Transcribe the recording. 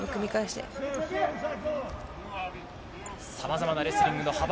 さまざまなレスリングの幅。